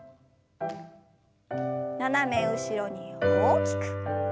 斜め後ろに大きく。